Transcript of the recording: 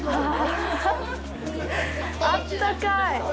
ああ、あったかい。